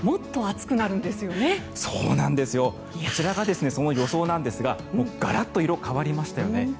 こちらがその予想なんですがガラッと色が変わりましたよね。